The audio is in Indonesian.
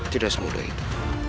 tidak semudah itu